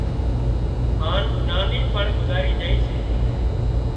هانَ نانِي پڻ گذارِي جھئي سي